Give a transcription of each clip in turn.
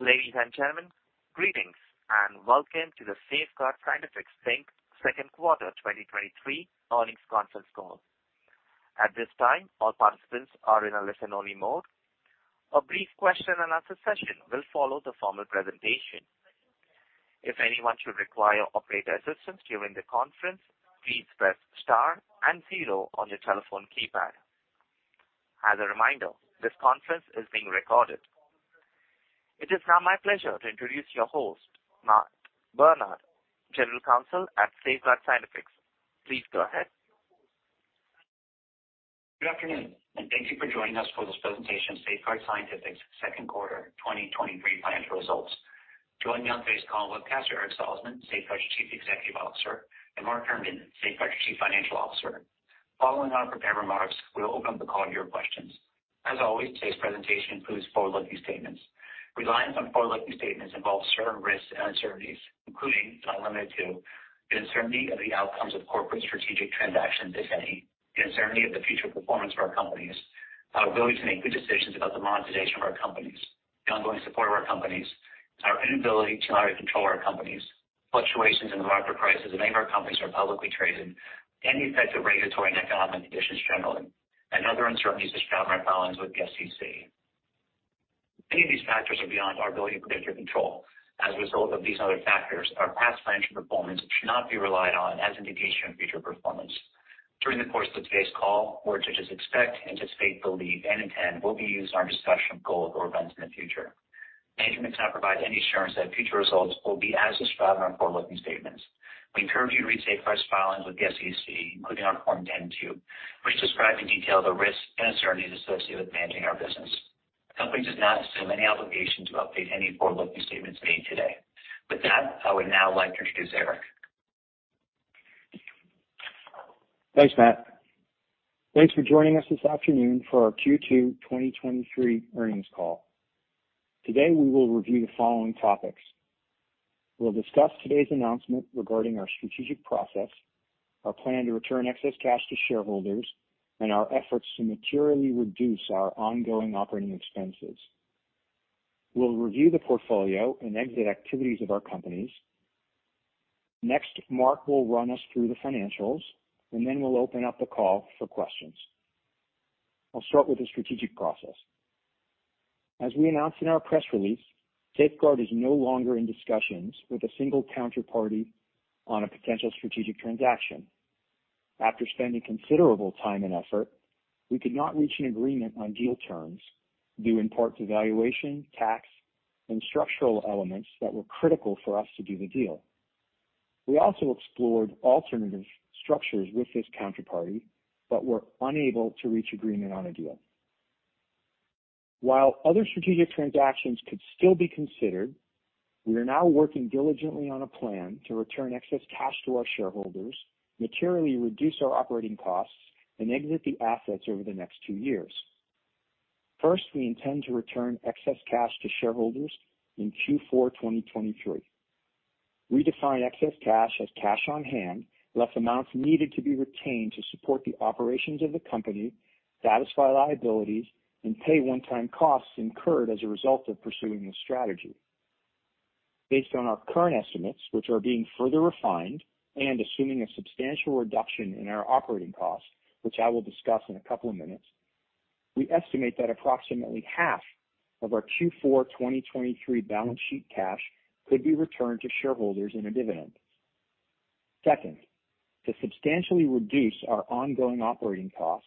Ladies and gentlemen, greetings, and welcome to the Safeguard Scientifics Inc.'s second-quarter 2023 earnings conference call. At this time, all participants are in a listen-only mode. A brief question and answer session will follow the formal presentation. If anyone should require operator assistance during the conference, please press star and zero on your telephone keypad. As a reminder, this conference is being recorded. It is now my pleasure to introduce your host, Matt Barnard, General Counsel at Safeguard Scientifics. Please go ahead. Good afternoon, and thank you for joining us for this presentation, Safeguard Scientifics' second quarter 2023 financial results. Joining me on today's call webcast are Eric Salzman, Safeguard's Chief Executive Officer, and Mark Herndon, Safeguard's Chief Financial Officer. Following our prepared remarks, we'll open up the call to your questions. As always, today's presentation includes forward-looking statements. Reliance on forward-looking statements involves certain risks and uncertainties, including, but not limited to, the uncertainty of the outcomes of corporate strategic transactions, if any, the uncertainty of the future performance of our companies, our ability to make good decisions about the monetization of our companies, the ongoing support of our companies, our inability to hire and control our companies, fluctuations in the market prices of any of our companies are publicly traded, any effects of regulatory and economic conditions generally, and other uncertainties as found in our filings with the SEC. Many of these factors are beyond our ability to predict or control. As a result of these other factors, our past financial performance should not be relied on as indication of future performance. During the course of today's call, words such as expect, anticipate, believe, and intend will be used in our discussion of goals or events in the future. Management cannot provide any assurance that future results will be as described in our forward-looking statements. We encourage you to read Safeguard's filings with the SEC, including our Form 10-Q, which describe in detail the risks and uncertainties associated with managing our business. The company does not assume any obligation to update any forward-looking statements made today. With that, I would now like to introduce Eric. Thanks, Matt. Thanks for joining us this afternoon for our Q2 2023 earnings call. Today, we will review the following topics. We'll discuss today's announcement regarding our strategic process, our plan to return excess cash to shareholders, and our efforts to materially reduce our ongoing operating expenses. We'll review the portfolio and exit activities of our companies. Next, Mark will run us through the financials, and then we'll open up the call for questions. I'll start with the strategic process. As we announced in our press release, Safeguard is no longer in discussions with a single counterparty on a potential strategic transaction. After spending considerable time and effort, we could not reach an agreement on deal terms due in part to valuation, tax, and structural elements that were critical for us to do the deal. We also explored alternative structures with this counterparty, but were unable to reach agreement on a deal. While other strategic transactions could still be considered, we are now working diligently on a plan to return excess cash to our shareholders, materially reduce our operating costs, and exit the assets over the next two years. First, we intend to return excess cash to shareholders in Q4 2023. We define excess cash as cash on hand, less amounts needed to be retained to support the operations of the company, satisfy liabilities and pay one-time costs incurred as a result of pursuing this strategy. Based on our current estimates, which are being further refined and assuming a substantial reduction in our operating costs, which I will discuss in a couple of minutes, we estimate that approximately half of our Q4 2023 balance sheet cash could be returned to shareholders in a dividend. Second, to substantially reduce our ongoing operating costs,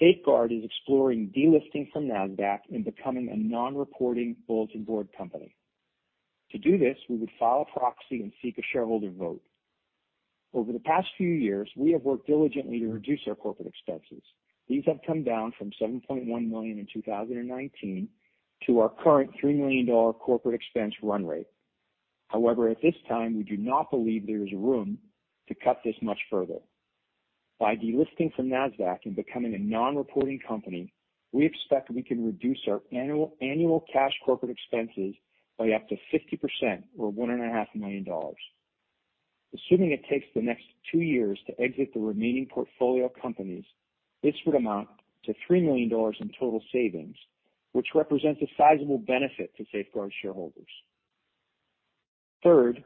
Safeguard is exploring delisting from NASDAQ and becoming a non-reporting bulletin board company. To do this, we would file a proxy and seek a shareholder vote. Over the past few years, we have worked diligently to reduce our corporate expenses. These have come down from $7.1 million in 2019 to our current $3 million corporate expense run rate. At this time, we do not believe there is room to cut this much further. By delisting from NASDAQ and becoming a non-reporting company, we expect we can reduce our annual cash corporate expenses by up to 50% or $1.5 million. Assuming it takes the next two years to exit the remaining portfolio companies, this would amount to $3 million in total savings, which represents a sizable benefit to Safeguard shareholders. Third,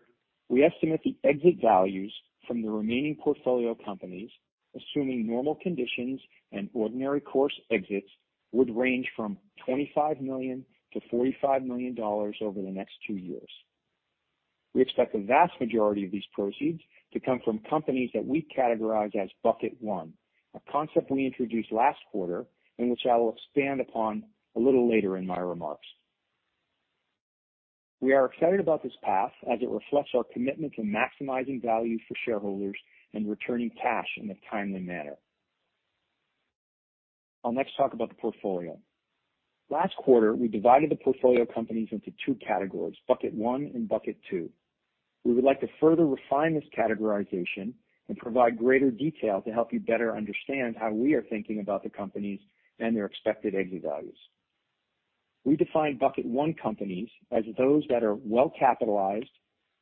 we estimate the exit values from the remaining portfolio companies, assuming normal conditions and ordinary course exits, would range from $25 million to $45 million over the next two years. We expect the vast majority of these proceeds to come from companies that we categorize as Bucket One, a concept we introduced last quarter and which I will expand upon a little later in my remarks. We are excited about this path as it reflects our commitment to maximizing value for shareholders and returning cash in a timely manner. I'll next talk about the portfolio. Last quarter, we divided the portfolio companies into two categories, Bucket One and Bucket Two. We would like to further refine this categorization and provide greater detail to help you better understand how we are thinking about the companies and their expected exit values. We define Bucket One companies as those that are well capitalized,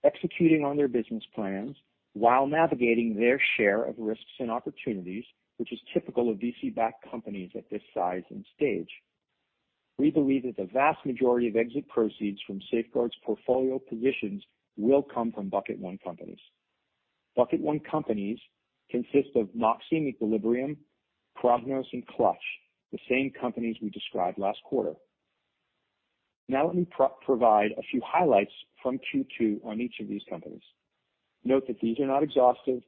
executing on their business plans while navigating their share of risks and opportunities, which is typical of VC-backed companies at this size and stage. We believe that the vast majority of exit proceeds from Safeguard's portfolio positions will come from Bucket One companies. Bucket One companies consist of Moxe, Equilibrium, Prognos, and Clutch, the same companies we described last quarter. Now let me provide a few highlights from Q2 on each of these companies. Note that these are not exhaustive,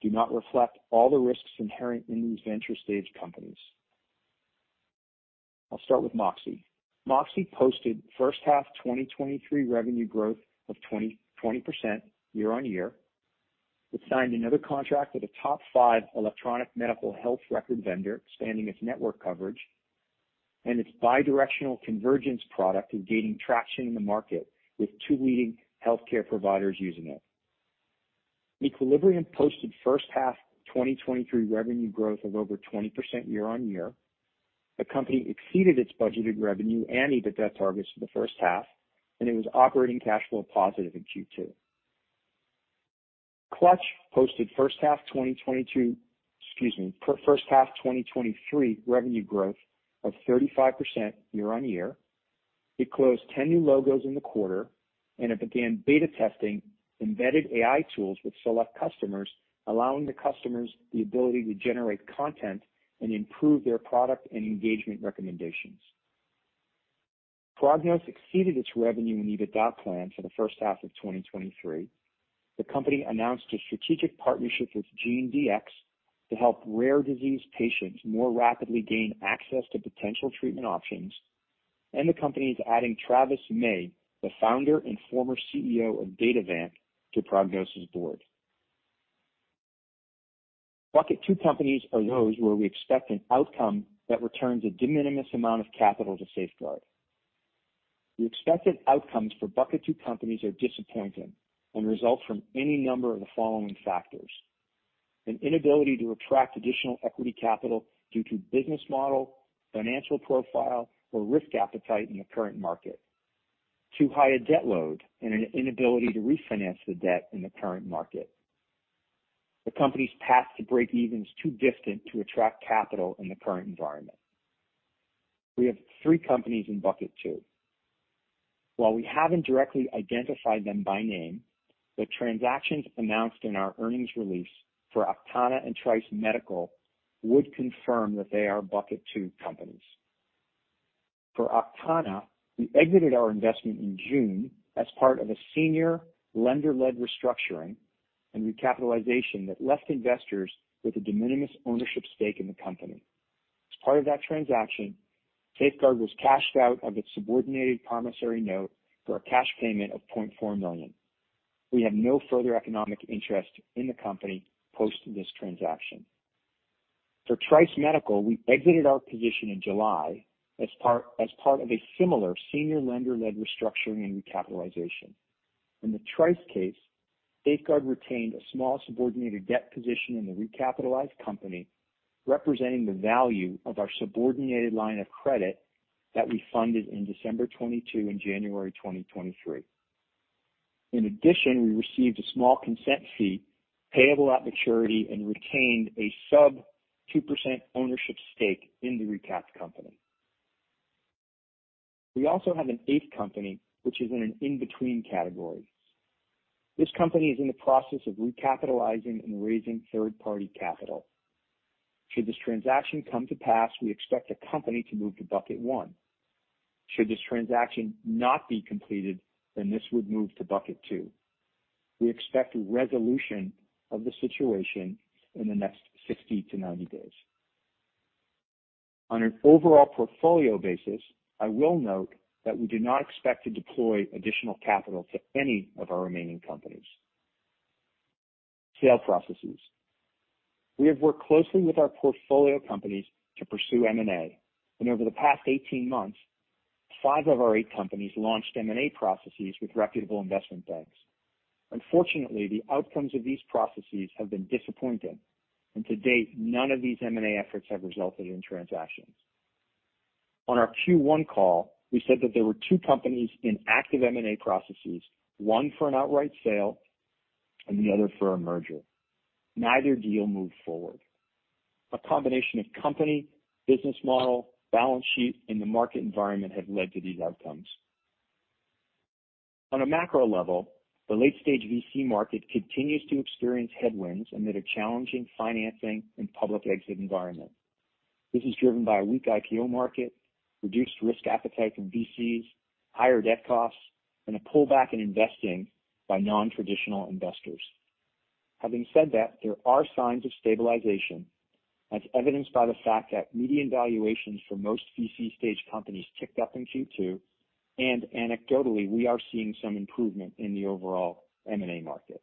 do not reflect all the risks inherent in these venture stage companies. I'll start with Moxe. Moxe posted first half 2023 revenue growth of 20% year-on-year. It signed another contract with a top five electronic medical health record vendor, expanding its network coverage, and its bidirectional convergence product is gaining traction in the market, with two leading healthcare providers using it. Equilibrium posted first half 2023 revenue growth of over 20% year-on-year. The company exceeded its budgeted revenue and EBITDA targets for the first half, and it was operating cash flow positive in Q2. Clutch posted first half 2022, excuse me, first half 2023 revenue growth of 35% year-on-year. It closed 10 new logos in the quarter, and it began beta testing embedded AI tools with select customers, allowing the customers the ability to generate content and improve their product and engagement recommendations. Prognos exceeded its revenue and EBITDA plan for the first half of 2023. The company announced a strategic partnership with GeneDx to help rare disease patients more rapidly gain access to potential treatment options, and the company is adding Travis May, the founder and former CEO of Datavant, to Prognos' board. Bucket Two companies are those where we expect an outcome that returns a de minimis amount of capital to Safeguard. The expected outcomes for Bucket Two companies are disappointing and result from any number of the following factors: an inability to attract additional equity capital due to business model, financial profile, or risk appetite in the current market, too high a debt load, and an inability to refinance the debt in the current market. The company's path to breakeven is too distant to attract capital in the current environment. We have three companies in Bucket Two. While we haven't directly identified them by name, the transactions announced in our earnings release for Aktana and Trice Medical would confirm that they are Bucket Two companies. For Aktana, we exited our investment in June as part of a senior lender-led restructuring and recapitalization that left investors with a de minimis ownership stake in the company. As part of that transaction, Safeguard was cashed out of its subordinated promissory note for a cash payment of $0.4 million. We have no further economic interest in the company post this transaction. For Trice Medical, we exited our position in July as part of a similar senior lender-led restructuring and recapitalization. In the Trice case, Safeguard retained a small subordinated debt position in the recapitalized company, representing the value of our subordinated line of credit that we funded in December 2022 and January 2023. In addition, we received a small consent fee payable at maturity and retained a sub 2% ownership stake in the recapped company. We also have an eighth company, which is in an in-between category. This company is in the process of recapitalizing and raising third-party capital. Should this transaction come to pass, we expect the company to move to Bucket One. Should this transaction not be completed, then this would move to Bucket Two. We expect a resolution of the situation in the next 60 to 90 days. On an overall portfolio basis, I will note that we do not expect to deploy additional capital to any of our remaining companies. Sale processes. We have worked closely with our portfolio companies to pursue M&A, and over the past 18 months, 5 of our 8 companies launched M&A processes with reputable investment banks. Unfortunately, the outcomes of these processes have been disappointing, and to date, none of these M&A efforts have resulted in transactions. On our Q1 call, we said that there were two companies in active M&A processes, one for an outright sale and the other for a merger. Neither deal moved forward. A combination of company, business model, balance sheet, and the market environment have led to these outcomes. On a macro level, the late-stage VC market continues to experience headwinds amid a challenging financing and public exit environment. This is driven by a weak IPO market, reduced risk appetite in VCs, higher debt costs, and a pullback in investing by non-traditional investors. Having said that, there are signs of stabilization, as evidenced by the fact that median valuations for most VC-stage companies ticked up in Q2, and anecdotally, we are seeing some improvement in the overall M&A market.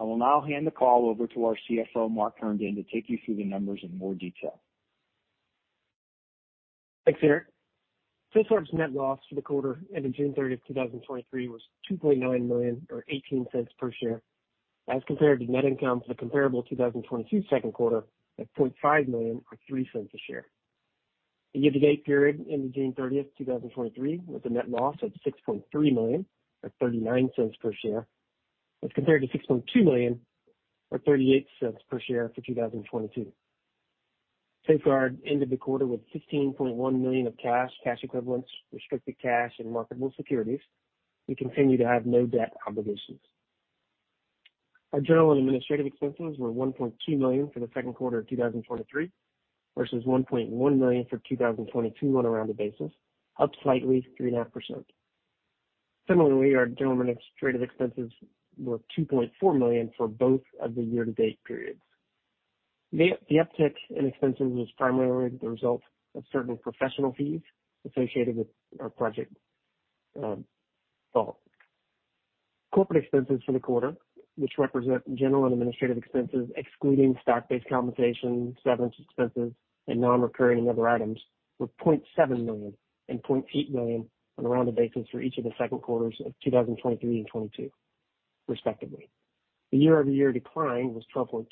I will now hand the call over to our CFO, Mark Herndon, to take you through the numbers in more detail. Thanks, Eric. Safeguard's net loss for the quarter ending June 30, 2023, was $2.9 million, or $0.18 per share, as compared to net income for the comparable 2022 second quarter at $0.5 million or $0.03 a share. The year-to-date period ending June 30, 2023, was a net loss of $6.3 million, or $0.39 per share, as compared to $6.2 million or $0.38 per share for 2022. Safeguard ended the quarter with $16.1 million of cash, cash equivalents, restricted cash, and marketable securities. We continue to have no debt obligations. Our general and administrative expenses were $1.2 million for the second quarter of 2023 versus $1.1 million for 2022 on a rounded basis, up slightly 3.5%. Similarly, our general and administrative expenses were $2.4 million for both of the year-to-date periods. The uptick in expenses was primarily the result of certain professional fees associated with our Project Vault. Corporate expenses for the quarter, which represent general and administrative expenses, excluding stock-based compensation, severance expenses, and non-recurring and other items, were $0.7 million and $0.8 million on a rounded basis for each of the second quarters of 2023 and 2022 respectively. The year-over-year decline was 12.2%.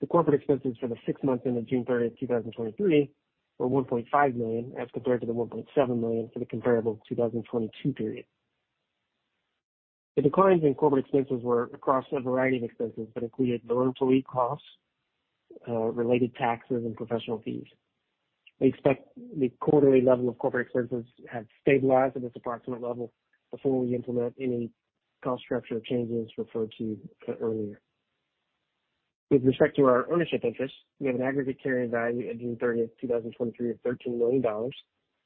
The corporate expenses for the six months ending June 30, 2023, were $1.5 million, as compared to the $1.7 million for the comparable 2022 period. The declines in corporate expenses were across a variety of expenses that included employee costs, related taxes and professional fees. We expect the quarterly level of corporate expenses have stabilized at this approximate level before we implement any cost structure changes referred to earlier. With respect to our ownership interest, we have an aggregate carrying value at June 30, 2023, of $13 million,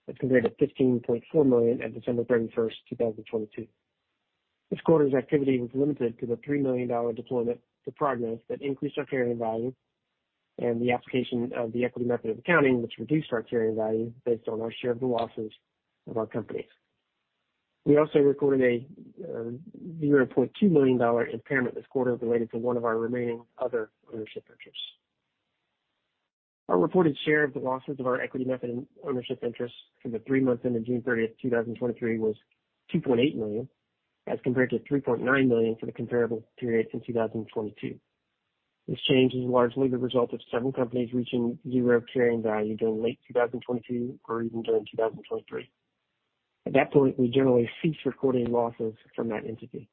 as compared to $15.4 million at December 31, 2022. This quarter's activity was limited to the $3 million deployment to Prognos that increased our carrying value and the application of the equity method of accounting, which reduced our carrying value based on our share of the losses of our companies. We also recorded a $0.2 million impairment this quarter related to one of our remaining other ownership interests. Our reported share of the losses of our equity method and ownership interest for the three months ending June 30, 2023, was $2.8 million, as compared to $3.9 million for the comparable period in 2022. This change is largely the result of several companies reaching zero carrying value during late 2022 or even during 2023. At that point, we generally cease recording losses from that entity.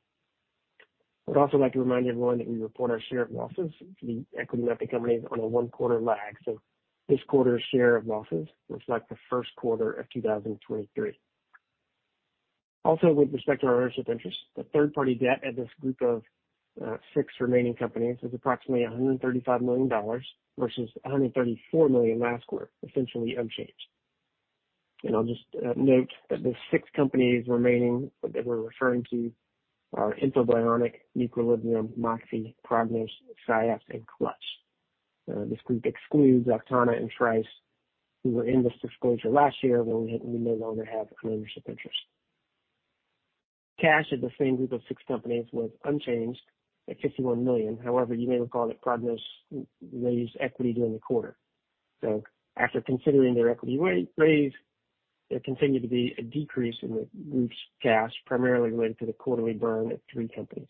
I'd also like to remind everyone that we report our share of losses for the equity method companies on a one-quarter lag. This quarter's share of losses reflects the first quarter of 2023. With respect to our ownership interest, the third party debt at this group of six remaining companies is approximately $135 million versus $134 million last quarter, essentially unchanged. I'll just note that the six companies remaining that we're referring to are InfoBionic, Equilibrium, Moxe, Prognos, Syapse, and Clutch. This group excludes Aktana and Trice, who were in this disclosure last year, but we no longer have an ownership interest. Cash at the same group of six companies was unchanged at $51 million. However, you may recall that Prognos raised equity during the quarter. After considering their equity raise, there continued to be a decrease in the group's cash, primarily related to the quarterly burn at three companies.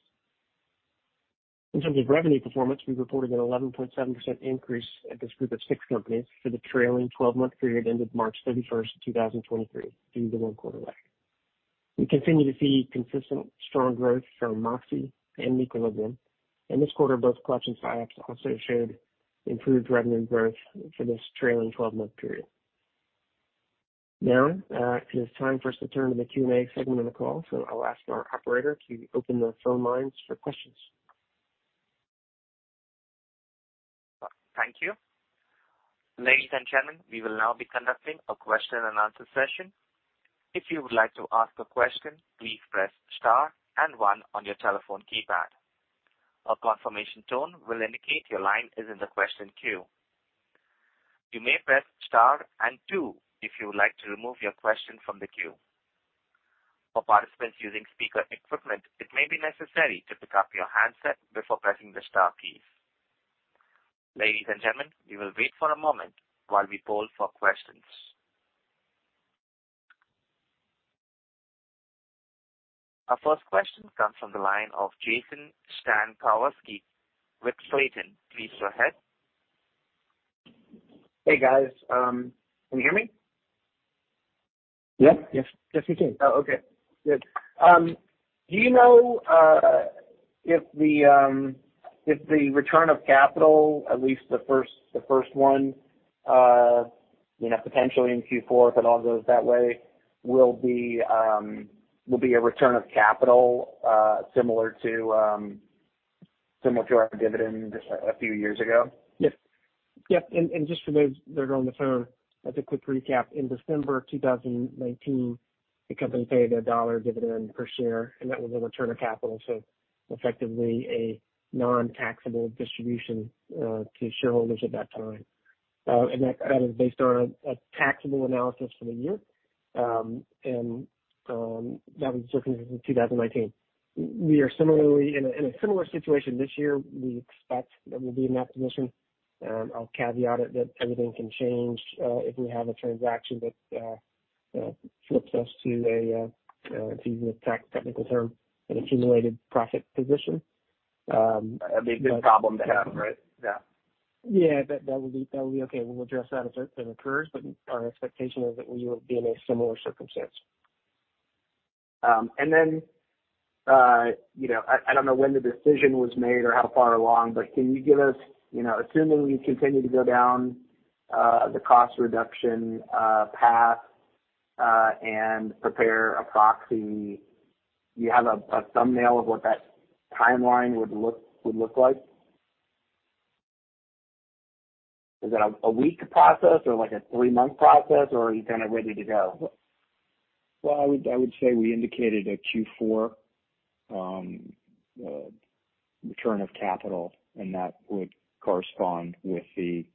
In terms of revenue performance, we reported an 11.7% increase at this group of six companies for the trailing 12-month period ended March 31, 2023, due to one-quarter lag. We continue to see consistent strong growth from Moxe and Equilibrium, and this quarter, both Clutch and Syapse also showed improved revenue growth for this trailing 12-month period. Now, it is time for us to turn to the Q&A segment of the call. I'll ask our operator to open the phone lines for questions. Thank you. Ladies and gentlemen, we will now be conducting a question and answer session. If you would like to ask a question, please press star and one on your telephone keypad. A confirmation tone will indicate your line is in the question queue. You may press star and two if you would like to remove your question from the queue. For participants using speaker equipment, it may be necessary to pick up your handset before pressing the star key. Ladies and gentlemen, we will wait for a moment while we poll for questions. Our first question comes from the line of Jason Stankowski with Clayton. Please go ahead. Hey, guys. Can you hear me? Yes. Yes, yes, we can. Oh, okay, good. Do you know, if the, if the return of capital, at least the first, the first one, you know, potentially in Q4, if it all goes that way, will be, will be a return of capital, similar to, similar to our dividend just a few years ago? Yes. Yep, just for those that are on the phone, as a quick recap, in December 2019, the company paid a $1 dividend per share, and that was a return of capital, so effectively a non-taxable distribution to shareholders at that time. That, that is based on a taxable analysis for the year. That was circumstances in 2019. We are similarly in a, in a similar situation this year. We expect that we'll be in that position. I'll caveat it that everything can change if we have a transaction that flips us to a, to use a tax technical term, an accumulated profit position. That'd be a good problem to have, right? Yeah. Yeah, that, that will be, that will be okay. We'll address that if it, it occurs, but our expectation is that we will be in a similar circumstance. You know, I, I don't know when the decision was made or how far along, but can you give us, you know, assuming we continue to go down the cost reduction path and prepare a proxy, do you have a thumbnail of what that timeline would look, would look like? Is it a one week process or like a three-month process, or are you kind of ready to go? Well, I would, I would say we indicated a Q4, return of capital, and that would correspond with the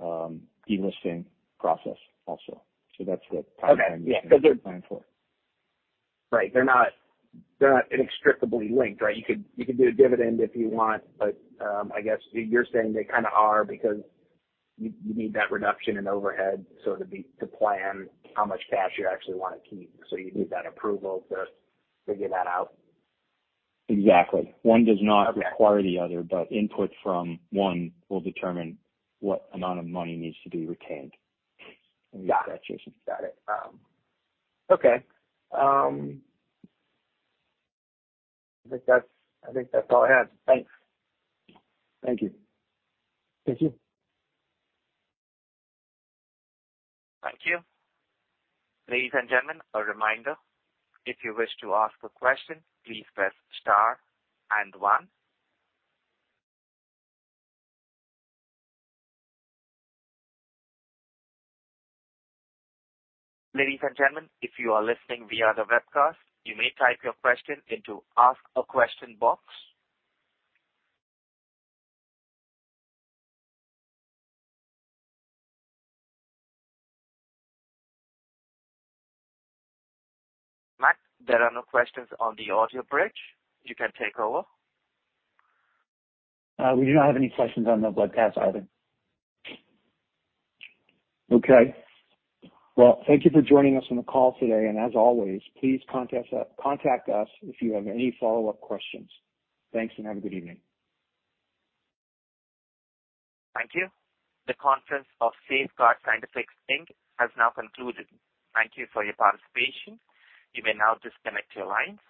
delisting process also. That's the timeline. Okay, yeah. we plan for. Right. They're not, they're not inextricably linked, right? You could, you could do a dividend if you want. I guess you're saying they kind of are, because you, you need that reduction in overhead, so to be, to plan how much cash you actually want to keep. You need that approval to figure that out. Exactly. Okay. One does not require the other. Input from one will determine what amount of money needs to be retained. Got it. Yeah. Got it. Okay, I think that's, I think that's all I had. Thanks. Thank you. Thank you. Thank you. Ladies and gentlemen, a reminder, if you wish to ask a question, please press star and one. Ladies and gentlemen, if you are listening via the webcast, you may type your question into Ask a Question box. Matt, there are no questions on the audio bridge. You can take over. We do not have any questions on the webcast either. Okay. Well, thank you for joining us on the call today. As always, please contact us, contact us if you have any follow-up questions. Thanks. Have a good evening. Thank you. The conference of Safeguard Scientifics Inc. has now concluded. Thank you for your participation. You may now disconnect your lines.